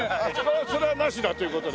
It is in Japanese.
それはなしだという事で。